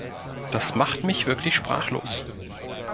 Das macht mich wirklich sprachlos.